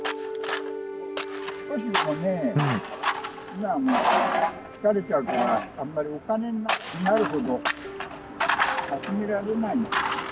ふだんもう疲れちゃうからあんまりお金になるほど集められないの。